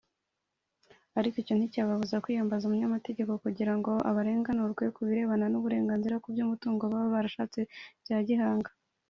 ariko icyo nticyababuza kwiyambaza umunyamategeko kugira ngo barenganurwe ku birebana n’uburenganzira ku by’umutungo, baba barashatse bya gihanga,